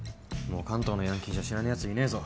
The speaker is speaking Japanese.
もう関東のヤンキーじゃ知らねえやついねえぞ。